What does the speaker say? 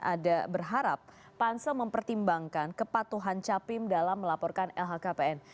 ada berharap pansel mempertimbangkan kepatuhan capim dalam melaporkan lhkpn